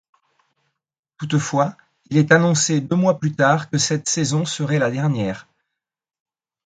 Toutefois, il est annoncé deux mois plus tard que cette saison serait la dernière.